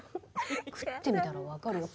「食ってみたら分かるよ。